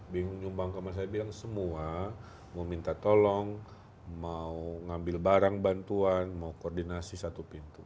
bingung nyumbang kemana saya bilang semua mau minta tolong mau ngambil barang bantuan mau koordinasi satu pintu